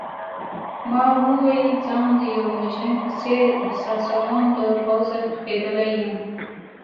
ما وویل: ځان د یو مجرم په څېر احساسوم، له پوځه تښتیدلی یم.